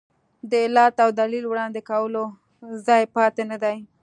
د علت او دلیل وړاندې کولو ځای پاتې نه دی.